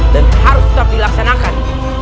dan harus tetap dilaksanakan